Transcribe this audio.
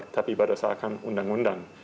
tapi berdasarkan undang undang